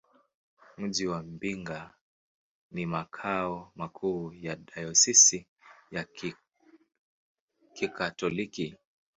Mji wa Mbinga ni makao makuu ya dayosisi ya Kikatoliki.